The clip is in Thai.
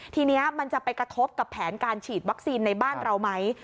ทีนี้มันจะไปกระทบกับแผนการฉีดวัคซีนในบ้านเราไหม